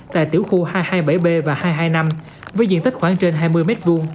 tại tiểu khu hai trăm hai mươi bảy b và hai trăm hai mươi năm với diện tích khoảng trên hai mươi m hai